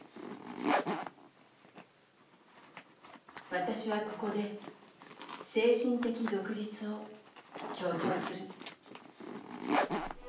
「私はここで精神的独立を強調する」。